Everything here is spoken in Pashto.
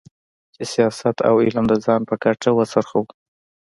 چې سیاست او علم د ځان په ګټه وڅرخوو.